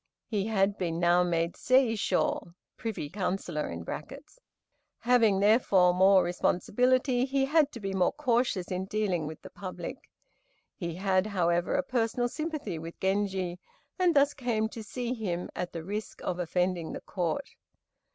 He had been now made Saishiô (privy councillor). Having, therefore, more responsibility, he had to be more cautious in dealing with the public. He had, however, a personal sympathy with Genji, and thus came to see him, at the risk of offending the Court.